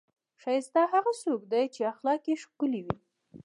ښایسته هغه څوک دی، چې اخلاق یې ښکلي وي.